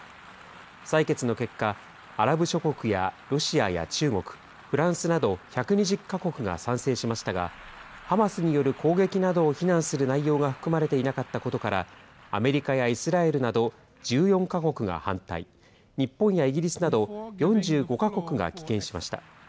採決の結果、アラブ諸国やロシアや中国、フランスなど、１２０か国が賛成しましたが、ハマスによる攻撃などを非難する内容が含まれていなかったことから、アメリカやイスラエルなど、１４か国が反対、日本やイギリスなど４５か国が棄権しました。